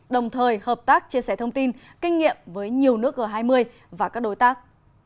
đồng thời hợp tác chia sẻ thông tin kinh nghiệm với nhiều nước g hai mươi và các đối tác